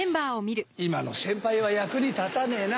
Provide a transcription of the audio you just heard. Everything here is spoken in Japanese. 今の先輩は役に立たねえな。